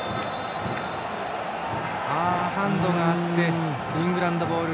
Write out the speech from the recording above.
ハンドでイングランドボール。